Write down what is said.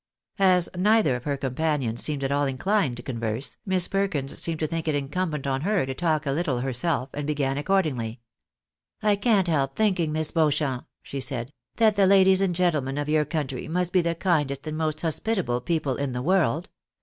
As neither of her companions seemed at all inclined to converse, Miss Perkins seemed to think it incumbent on her to talk a little herself, and began accordingly —" I can't help thinking. Miss Beauchamp,'' she said, " that the ladies and gentlemen of your country must be the kindest and most hospitable people in the world.